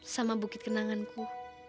sama bukit kenanganku